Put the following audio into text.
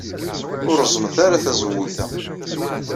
Ur reẓẓmemt ara tazewwut-a.